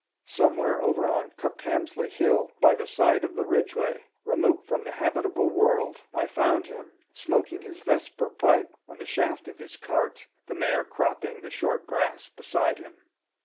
Somewhere over on Cuckhamsley Hill, by the side of the Ridgeway, remote from the habitable world, I found him, smoking his vesper pipe on the shaft of his cart, the mare cropping the short grass beside him.